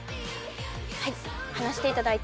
はい離していただいて。